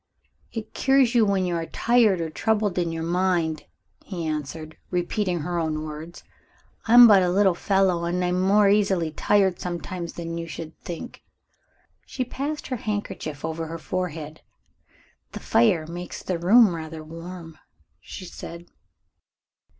"It cures you when you are tired or troubled in your mind," he answered, repeating her own words. "I am but a little fellow and I'm more easily tired sometimes than you would think." She passed her handkerchief over her forehead. "The fire makes the room rather warm," she said.